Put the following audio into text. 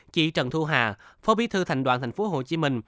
chị trần thu hà phó bí thư thành đoàn tp hcm